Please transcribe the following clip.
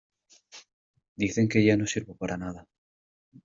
Dicen que ya no sirvo para nada.